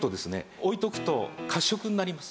置いておくと褐色になります。